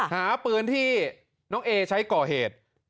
หาปืนที่น้องเอใช้ก่อเหตุ